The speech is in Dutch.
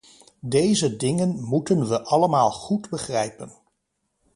Deze dingen moeten we allemaal goed begrijpen.